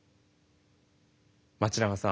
町永さん